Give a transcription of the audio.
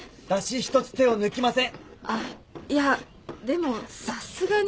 あっいやでもさすがに。